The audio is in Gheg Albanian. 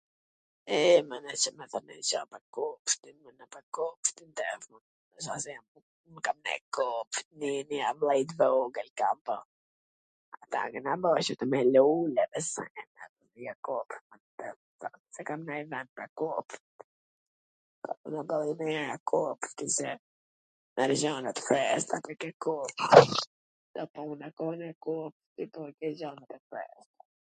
Kopshtin e mbolla, kopshtin e kam mbjell domata mallator, speca, do qep, m pwlqen kopshti me kallzu t drejtwn, por edhe ktu n Greqi kam ndreq, jam n shpi private e baj nji kopsht t vogwl e baj, do mallator, do speca i baj.